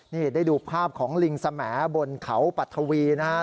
นี่ได้ดูภาพของลิงสแหมดบนเขาปัทวีนะฮะ